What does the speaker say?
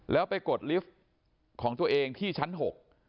แล้วไปกดลิฟต์ของตัวเองที่ชั้นหก